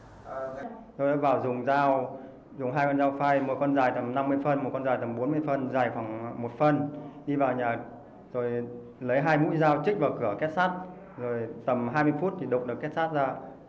tôi đã vào dùng dao dùng hai con dao phay mỗi con dài tầm năm mươi phân một con dài tầm bốn mươi phân dài khoảng một phân đi vào nhà rồi lấy hai mũi dao trích vào cửa kết sắt rồi tầm hai mươi phút thì đụng được kết sát ra